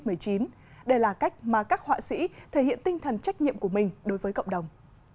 đây là cách mà các họa sĩ thể hiện tinh thần trách nhiệm của mình đối với cộng đồng